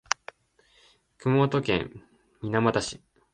熊本県水俣市